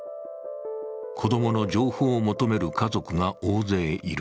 子供の情報を求める家族が大勢いる。